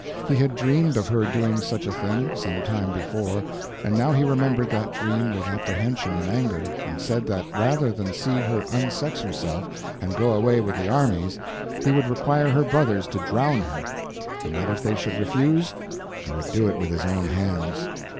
He had dreamed of her doing such a thing, some time before, and now he remembered that dream with apprehension and anger, and said that rather than see her unsex herself and go away with the armies, he would require her brothers to drown her; and that if they should refuse, he would do it with his own hands.